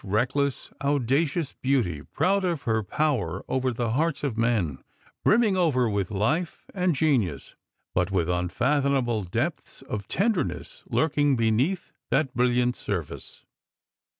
reckless, audacious beauty, proud of her power over the hearts of men, brimming over with life and genius, but with unfathom able depths of tenderness lurking beneath that brilliant surface.